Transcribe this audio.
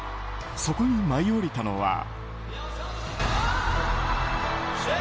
そこに舞い降りたのは。